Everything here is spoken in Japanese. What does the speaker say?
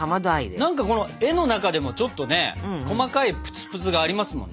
何か絵の中でもちょっとね細かいぷつぷつがありますもんね。